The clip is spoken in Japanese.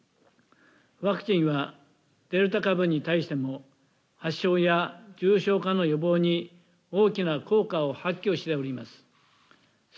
ワクチンはデルタ株に対しても発症や重症化の予防に大きな効果を発揮しています。